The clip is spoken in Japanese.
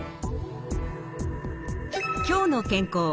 「きょうの健康」